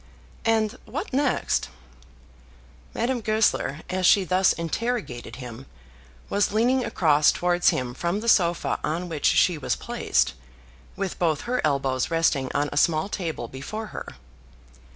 "And what next?" Madame Goesler, as she thus interrogated him, was leaning across towards him from the sofa on which she was placed, with both her elbows resting on a small table before her.